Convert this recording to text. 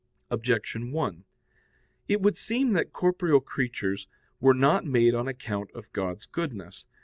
Objection 1: It would seem that corporeal creatures were not made on account of God's goodness.